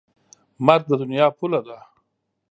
مرګ د دنیا پوله ده.